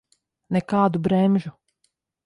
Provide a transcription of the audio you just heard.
Nekādu bremžu.